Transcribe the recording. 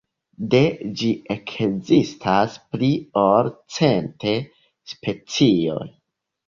De ĝi ekzistas pli ol cent specioj.